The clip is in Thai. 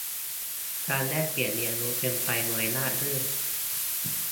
การแลกเปลี่ยนเรียนรู้เป็นไปโดยราบรื่น